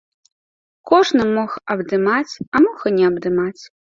Кожны мог абдымаць, а мог і не абдымаць.